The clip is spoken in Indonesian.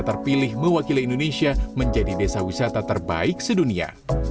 terpilih mewakili indonesia menjadi desa wisata terbaik sedunia